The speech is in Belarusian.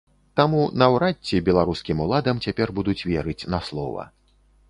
Таму наўрад ці беларускім уладам цяпер будуць верыць на слова.